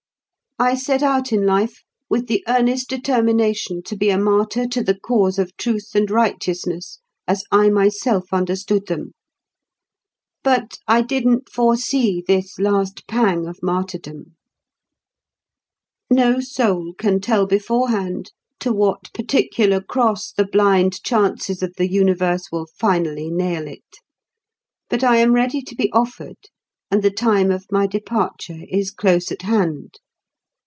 "I set out in life with the earnest determination to be a martyr to the cause of truth and righteousness, as I myself understood them. But I didn't foresee this last pang of martyrdom. No soul can tell beforehand to what particular cross the blind chances of the universe will finally nail it. But I am ready to be offered, and the time of my departure is close at hand.